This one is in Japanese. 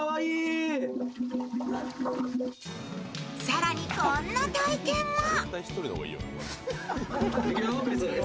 更にこんな体験も。